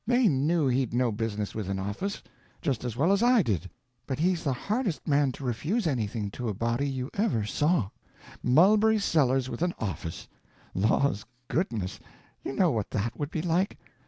They knew he'd no business with an office, just as well as I did, but he's the hardest man to refuse anything to a body ever saw. Mulberry Sellers with an office! laws goodness, you know what that would be like.